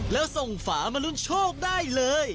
แล้วส่งฝามาลุ้นโชคได้เลย